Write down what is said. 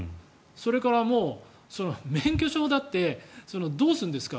それから免許証だってどうするんですか。